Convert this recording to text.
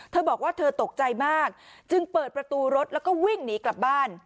เธอบอกว่าเธอตกใจมากจึงเปิดประตูรถแล้วก็วิ่งหนีกลับบ้าน